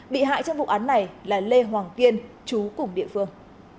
bị hại trong vụ án này là lê hoàng kiên chú cùng địa phương